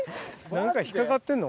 何か引っ掛かってんの？